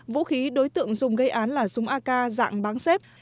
vũ khí đối tượng dùng gây án là súng ak dạng bán xếp